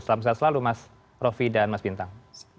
selamat siang selalu mas rofi dan mas bintang